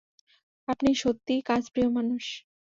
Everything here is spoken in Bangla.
আপনি সত্যিই কাজ প্রিয় মানুষ।